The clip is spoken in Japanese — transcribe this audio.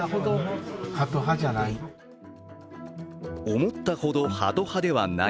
思ったほどハト派ではない。